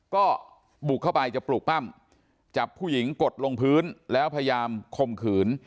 ก็บุกเข้าไปจะปลูกปั้มจับผู้หญิงกดลงพื้นแล้วพยายามคมขืน